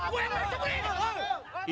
woy aku yang merasuk ini